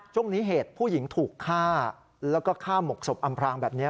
เหตุผู้หญิงถูกฆ่าแล้วก็ฆ่าหมกศพอำพรางแบบนี้